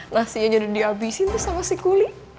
nasinya udah dihabisin sama si kuli